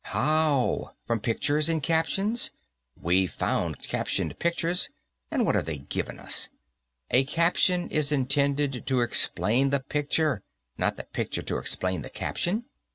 "How? From pictures and captions? We've found captioned pictures, and what have they given us? A caption is intended to explain the picture, not the picture to explain the caption.